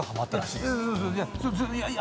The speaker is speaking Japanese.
いや